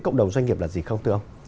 cộng đồng doanh nghiệp là gì không